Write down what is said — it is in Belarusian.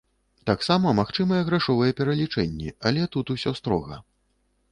Таксама магчымыя грашовыя пералічэнні, але тут усё строга.